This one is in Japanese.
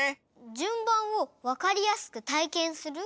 じゅんばんをわかりやすくたいけんする？